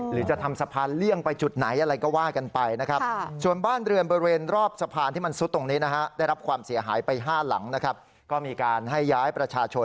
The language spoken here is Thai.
หรือจะทำสะพานเลี่ยงไปจุดไหนอะไรก็ว่ากันไปนะครับ